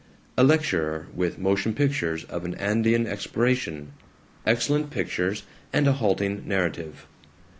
A lecturer with motion pictures of an Andean exploration; excellent pictures and a halting narrative.